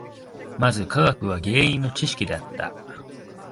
まず科学は原因の知識であった。